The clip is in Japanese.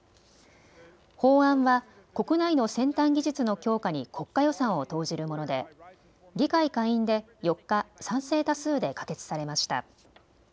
法案は国内の先端技術の強化に国家予算を投じるもので議会下院で４日、賛成多数で可決されました。